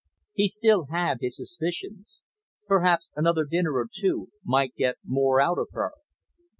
He still had his suspicions. Perhaps another dinner or two might get more out of her.